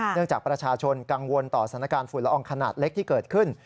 จากประชาชนกังวลต่อสถานการณ์ฝุ่นละอองขนาดเล็กที่เกิดขึ้น